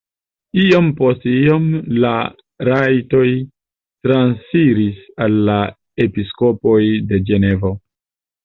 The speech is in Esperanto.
Iom post iom la rajtoj transiris al la episkopoj de Ĝenevo.